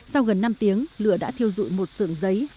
sau gần năm tiếng lửa đã thiêu dụi một sưởng giấy